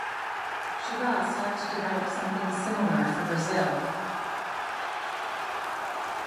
Chagas sought to develop something similar for Brazil.